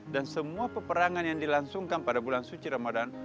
dan semua peperangan yang dilansungkan pada bulan suci ramadan